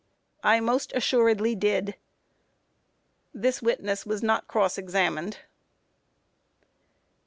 A. I most assuredly did. [This witness was not cross examined.